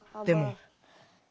でも。